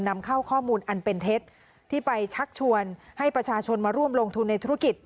นำเข้าข้อมูลอันเป็นเท็จที่ไปชักชวนให้ประชาชนมาร่วมลงทุนในธุรกิจ